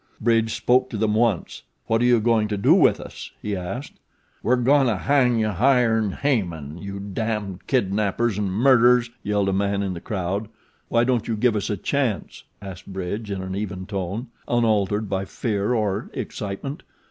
Bridge spoke to them once. "What are you going to do with us?" he asked. "We're goin' to hang you higher 'n' Haman, you damned kidnappers an' murderers," yelled a man in the crowd. "Why don't you give us a chance?" asked Bridge in an even tone, unaltered by fear or excitement.